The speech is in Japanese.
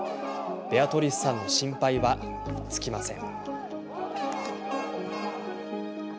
ベアトリスさんの心配は尽きません。